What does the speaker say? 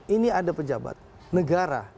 ini ada pejabat negara